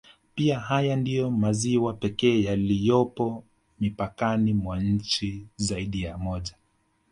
Pia haya ndiyo maziwa pekee yaliyopo mipakani mwa nchi zaidi ya moja